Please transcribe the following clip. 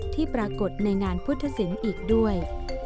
ที่ปรากฏในงานพุทธศิลป์อีกด้วย